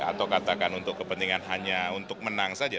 atau katakan untuk kepentingan hanya untuk menang saja